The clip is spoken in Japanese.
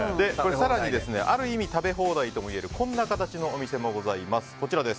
更に、ある意味食べ放題ともいえるこんな形のお店もあります。